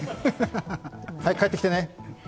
帰ってきてね！